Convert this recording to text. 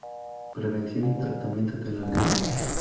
Prevención y tratamiento de la gripe.